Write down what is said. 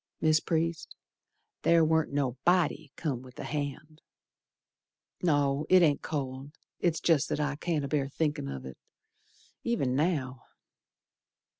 Mis' Priest, ther warn't no body come with the hand. No, it ain't cold, it's jest that I can't abear thinkin' of it, Ev'n now.